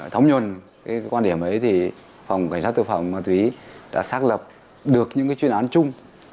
thấm nhuần cái quan điểm ấy thì phòng cảnh sát tội phạm ma túy đã xác lập được những chuyên án chung